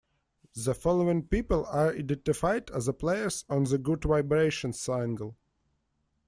The following people are identified as players on the "Good Vibrations" single.